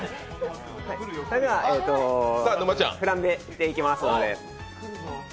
それではフランベしていきますので。